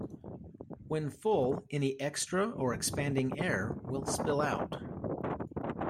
When full any extra or expanding air will spill out.